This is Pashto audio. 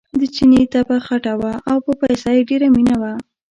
د چیني طبعه خټه وه او په پسه یې ډېره مینه وه.